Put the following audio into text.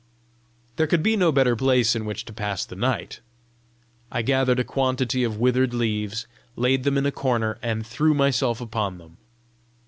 There could be no better place in which to pass the night! I gathered a quantity of withered leaves, laid them in a corner, and threw myself upon them.